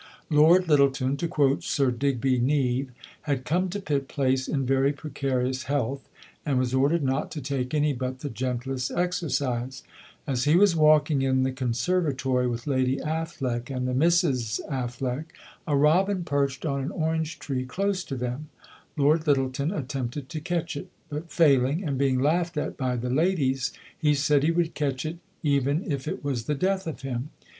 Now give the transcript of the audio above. "Lord Lyttelton," to quote Sir Digby Neave, "had come to Pit Place in very precarious health, and was ordered not to take any but the gentlest exercise. As he was walking in the conservatory with Lady Affleck and the Misses Affleck, a robin perched on an orange tree close to them. Lord Lyttelton attempted to catch it, but failing, and being laughed at by the ladies, he said he would catch it even if it was the death of him.